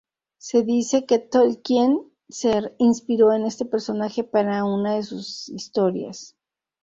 Se dice que Tolkien se inspiró en este personaje para una de sus historias.